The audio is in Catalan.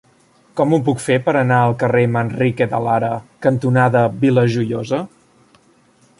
Com ho puc fer per anar al carrer Manrique de Lara cantonada Vila Joiosa?